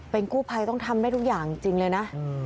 เป็นกู้ภัยต้องทำได้ทุกอย่างจริงเลยนะ